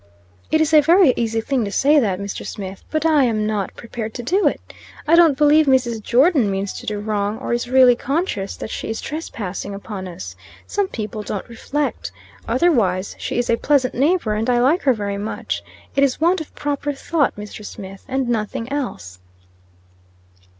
"It is a very easy thing to say that, Mr. Smith. But I am not prepared to do it. I don't believe Mrs. Jordon means to do wrong, or is really conscious that she is trespassing upon us. Some people don't reflect. Otherwise she is a pleasant neighbor, and I like her very much. It is want of proper thought, Mr. Smith, and nothing else."